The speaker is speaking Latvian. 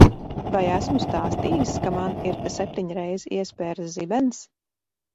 Vai esmu stāstījis, ka man ir septiņreiz iespēris zibens?